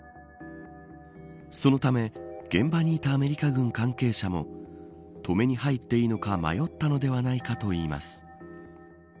そのため現場にいたアメリカ軍関係者も止めに入っていいのか迷ったのではないかといいます。